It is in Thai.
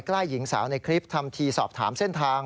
ใกล้หญิงสาวในคลิปทำทีสอบถามเส้นทาง